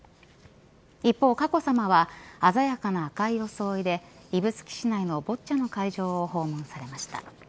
一方、佳子さまは鮮やかな赤い装いで指宿市内のボッチャの会場を訪問されました。